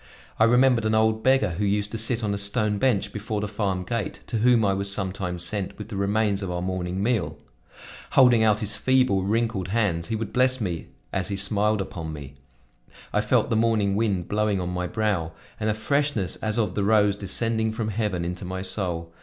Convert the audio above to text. I remembered an old beggar who used to sit on a stone bench before the farm gate, to whom I was sometimes sent with the remains of our morning meal. Holding out his feeble, wrinkled hands he would bless me as he smiled upon me. I felt the morning wind blowing on my brow and a freshness as of the rose descending from heaven into my soul.